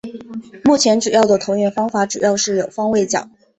目前主要的投影方式主要有方位角。